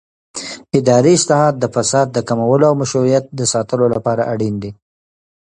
اداري اصلاحات د فساد د کمولو او مشروعیت د ساتلو لپاره اړین دي